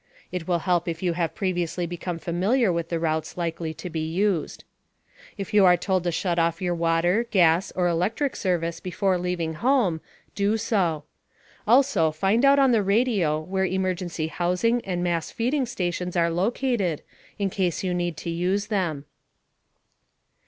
(It will help if you have previously become familiar with the routes likely to be used.) If you are told to shut off your water, gas or electric service before leaving home, do so. Also find out on the radio where emergency housing and mass feeding stations are located, in case you need to use them.